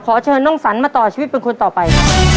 เชิญน้องสันมาต่อชีวิตเป็นคนต่อไป